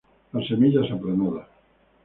Las semillas aplanadas.